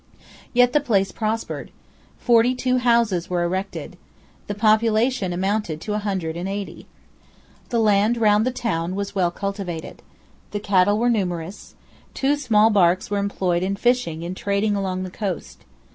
Yet the place prospered. Forty two houses were erected. The population amounted to a hundred and eighty. The land round the town was well cultivated. The cattle were numerous. Two small barks were employed in fishing and trading along the coast.